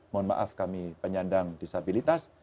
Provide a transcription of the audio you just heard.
mohon maaf kami penyandang disabilitas